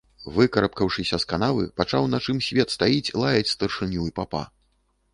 Выкарабкаўшыся з канавы, пачаў на чым свет стаіць лаяць старшыню і папа.